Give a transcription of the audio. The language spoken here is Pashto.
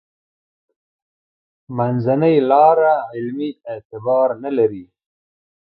منځنۍ لاره علمي اعتبار نه لري.